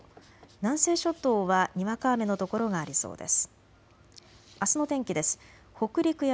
南西諸島はにわか雨の所がありそうです。